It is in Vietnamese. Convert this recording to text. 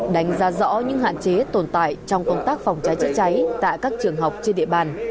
đánh giá rõ những hạn chế tồn tại trong công tác phòng cháy chữa cháy tại các trường học trên địa bàn